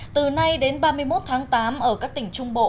từ nay đến ba mươi một tháng tám ở các tỉnh trung bộ